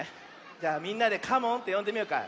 じゃあみんなでカモンってよんでみようか。